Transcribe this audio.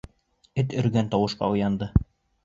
Эт өргән тауышҡа уянды.